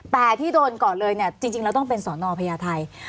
แต่ที่โดนก่อนเลยเนี่ยจริงแล้วต้องเป็นสอนอพญาไทย